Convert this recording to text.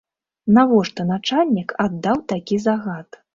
Навошта начальнік аддаў такі загад?